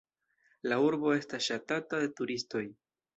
La urbo estas ŝatata de turistoj.